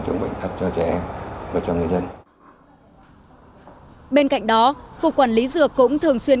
chống bệnh thật cho trẻ em và cho người dân bên cạnh đó cục quản lý dược cũng thường xuyên